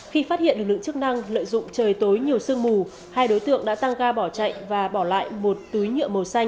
khi phát hiện lực lượng chức năng lợi dụng trời tối nhiều sương mù hai đối tượng đã tăng ga bỏ chạy và bỏ lại một túi nhựa màu xanh